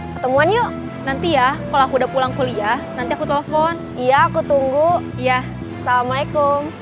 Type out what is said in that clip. ketemuan yuk nanti ya kalau aku udah pulang kuliah nanti aku telepon iya aku tunggu ya assalamualaikum